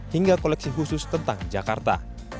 hingga koleksi khusus tentang jakarta